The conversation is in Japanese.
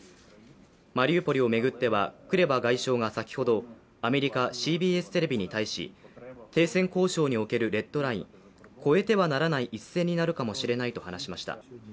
マリウポリを巡ってはクレバ外相が先ほどアメリカ・ＣＢＳテレビに対し停戦交渉におけるレッドライン＝越えてはならない一線になるかもしれないと話しました。